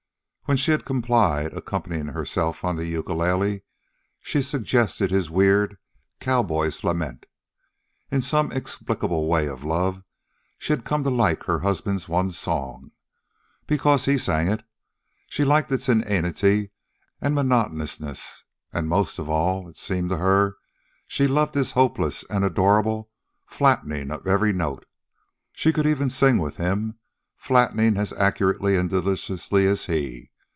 When she had complied, accompanying herself on the ukulele, she suggested his weird "Cowboy's Lament." In some inexplicable way of love, she had come to like her husband's one song. Because he sang it, she liked its inanity and monotonousness; and most of all, it seemed to her, she loved his hopeless and adorable flatting of every note. She could even sing with him, flatting as accurately and deliciously as he.